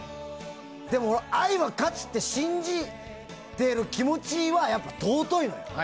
でも、愛は勝つって信じてる気持ちは尊いのよ。